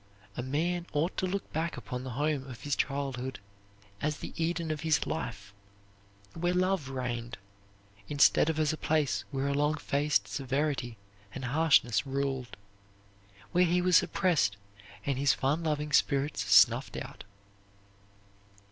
A man ought to look back upon the home of his childhood as the Eden of his life, where love reigned, instead of as a place where a long faced severity and harshness ruled, where he was suppressed and his fun loving spirits snuffed out.